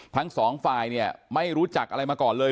ทั้งสองฝ่ายเนี่ยไม่รู้จักอะไรมาก่อนเลย